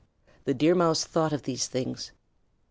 The Deer Mouse thought of these things.